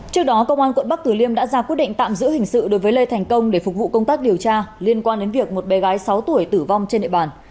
trước đó công an quận bắc tử liêm đã ra quyết định tạm giữ hình sự đối với lê thành công để phục vụ công tác điều tra liên quan đến việc một bé gái sáu tuổi tử vong trên địa bàn